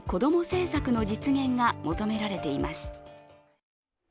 政策の実現が求められています。